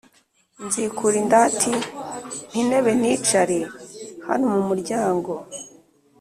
Nzikurindaati: "Mpa intebe nicare hano mu muryango,